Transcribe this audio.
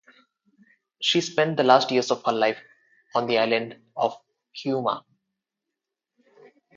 She spent the last years of her life on the island of Hiiumaa.